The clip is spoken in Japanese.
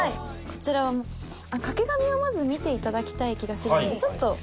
こちらはもう掛け紙をまず見ていただきたい気がするのでちょっと。